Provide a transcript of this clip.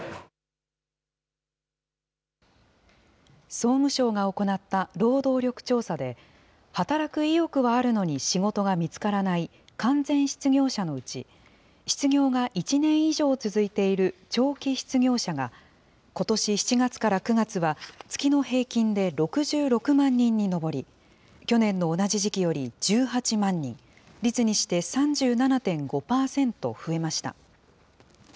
総務省が行った労働力調査で、働く意欲はあるのに、仕事が見つからない完全失業者のうち、失業が１年以上続いている長期失業者が、ことし７月から９月は月の平均で６６万人に上り、去年の同じ時期より１８万人、率にして３７．５％増えました。